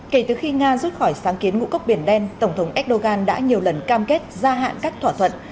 kể từ khi nga rút khỏi sáng kiến ngũ cốc biển đen tổng thống erdogan đã nhiều lần cam kết gia hạn các thỏa thuận